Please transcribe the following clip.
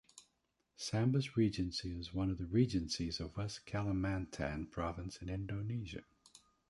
Sambas Regency is one of the regencies of West Kalimantan province in Indonesia.